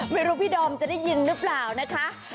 ไม่รู้พี่ดอมจะได้ยินหรือเปล่านะคะ